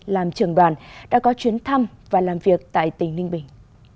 làm trưởng đoàn đã có chuyến thăm và làm việc tại tỉnh ninh bình